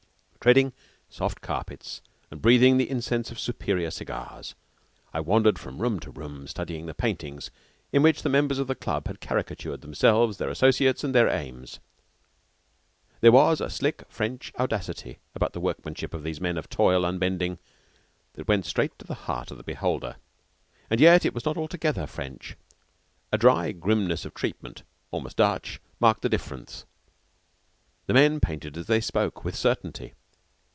Treading soft carpets and breathing the incense of superior cigars, I wandered from room to room studying the paintings in which the members of the club had caricatured themselves, their associates, and their aims. There was a slick French audacity about the workmanship of these men of toil unbending that went straight to the heart of the beholder. And yet it was not altogether French. A dry grimness of treatment, almost Dutch, marked the difference. The men painted as they spoke with certainty.